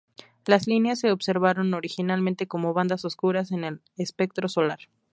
Las líneas se observaron originalmente como bandas oscuras en el espectro solar.